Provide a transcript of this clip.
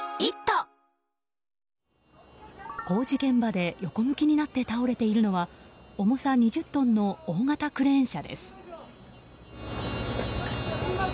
工事現場で横向きになって倒れているのは重さ２０トンの大型クレーン車です。